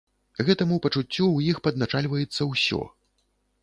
Гэтаму пачуццю ў іх падначальваецца ўсё.